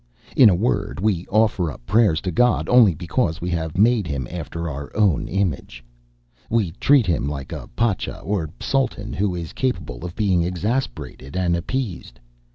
In a word, we offer up prayers to God only because we have made him after our own image. We treat him like a pacha, or a sultan, who is capable of being exasperated and appeased.